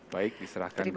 baik diserahkan ke mbak arfi